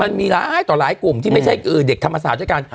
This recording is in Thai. มันมีหลายต่อหลายกลุ่มที่ไม่ใช่เด็กธรรมศาสตร์ด้วยกัน